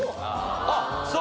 あっそう。